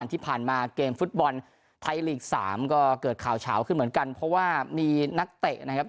ที่ผ่านมาเกมฟุตบอลไทยลีกสามก็เกิดข่าวเฉาขึ้นเหมือนกันเพราะว่ามีนักเตะนะครับ